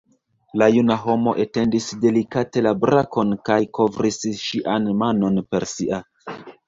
La juna homo etendis delikate la brakon kaj kovris ŝian manon per sia.